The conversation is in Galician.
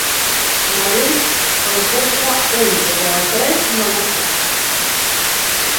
Madrid concentra un de cada tres novos casos.